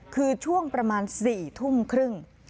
คือช่วงประมาณ๔ทุ่มครึ่ง